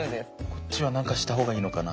こっちは何かしたほうがいいのかな？